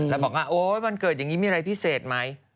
แล้วบอกว่าโอ๊ยวันเกิดอย่างนี้มีอะไรพิเศษไหม